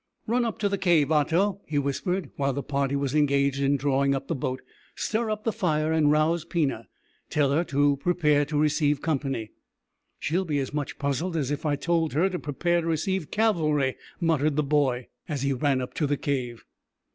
'" "Run up to the cave, Otto," he whispered, while the party was engaged in drawing up the boat. "Stir up the fire and rouse Pina, tell her to prepare to receive company." "She'll be as much puzzled as if I told her to prepare to receive cavalry," muttered the boy as he ran up to the cave.